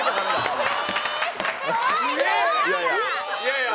いやいや